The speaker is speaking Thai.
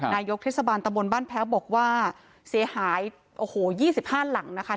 นายกเทศบาลตะบนบ้านแพ้วบอกว่าเสียหายโอ้โห๒๕หลังนะคะ